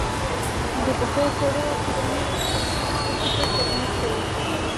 د پخو خوړو کوچني رستورانتونه خلکو ته خدمت کوي.